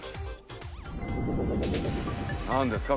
何ですか？